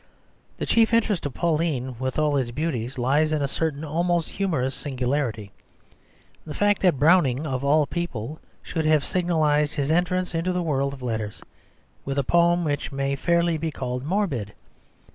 The chief interest of Pauline, with all its beauties, lies in a certain almost humorous singularity, the fact that Browning, of all people, should have signalised his entrance into the world of letters with a poem which may fairly be called morbid.